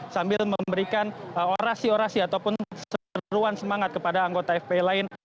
sambil memberikan orasi orasi ataupun seruan semangat kepada anggota fpi lain